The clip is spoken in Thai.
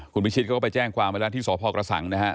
คุณวิชิตเขาก็ไปแจ้งความเวลาที่สพกระสั่งนะครับ